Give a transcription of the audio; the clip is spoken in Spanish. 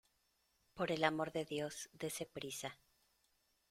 por el amor de Dios, dese prisa.